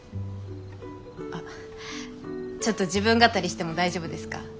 あっちょっと自分語りしても大丈夫ですか？